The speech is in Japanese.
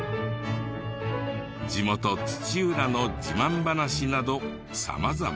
地元土浦の自慢話など様々。